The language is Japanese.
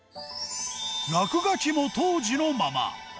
落書きも当時のまま。